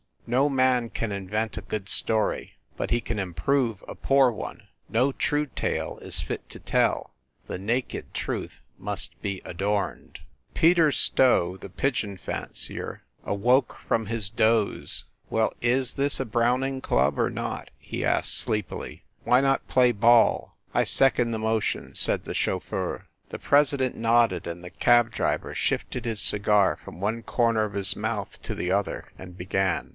No man can invent a good story : but he can improve a poor one. No true tale is fit to tell the naked truth must be adorned." Peter Stow, the pigeon fancier, awoke from his ;6 FIND THE WOMAN doze. "Well, is this a Browning Club or not?" he asked, sleepily. "Why not play ball?" "I second the motion !" said the chauffeur. The president nodded, and the cab driver shifted his cigar from one corner of his mouth to the other and began.